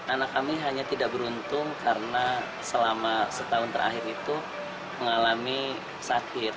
anak kami hanya tidak beruntung karena selama setahun terakhir itu mengalami sakit